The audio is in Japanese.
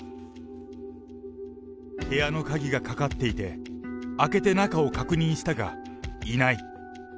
部屋の鍵がかかっていて、開けて中を確認したがいない。